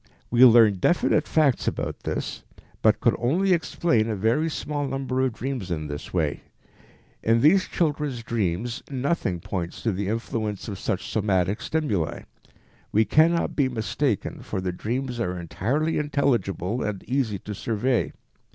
We learned definite facts about this, but could only explain a very small number of dreams in this way. In these children's dreams nothing points to the influence of such somatic stimuli; we cannot be mistaken, for the dreams are entirely intelligible and easy to survey.